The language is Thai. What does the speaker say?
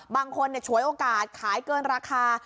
บางคนเนี่ยฉวยโอกาสขายเกินราคา